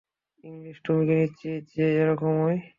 English, তুমি কি নিশ্চিত যে, এরকমই?